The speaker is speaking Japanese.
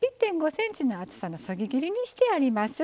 １．５ｃｍの厚さのそぎ切りにしてあります。